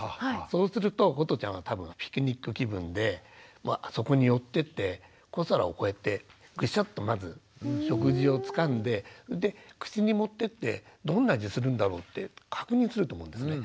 そうするとことちゃんは多分ピクニック気分でそこに寄ってって小皿をこうやってグシャッとまず食事をつかんでで口に持ってってどんな味するんだろう？って確認すると思うんですね。